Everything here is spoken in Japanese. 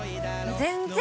全然！